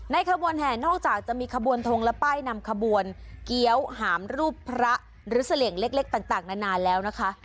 ขบวนแห่นอกจากจะมีขบวนทงและป้ายนำขบวนเกี้ยวหามรูปพระหรือเสลี่ยงเล็กต่างนานแล้วนะคะ